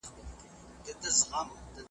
له یوه اړخه پر بل را اوښتله .